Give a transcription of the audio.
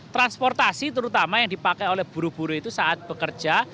transportasi terutama yang dipakai oleh buruh buruh itu saat bekerja